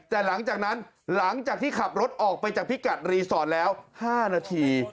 แต่หลังจากนั้นหลังจากที่ขับรถออกไปจากพิกัดรีสอร์ทแล้ว๕นาที